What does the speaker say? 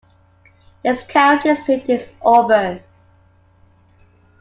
Its county seat is Auburn.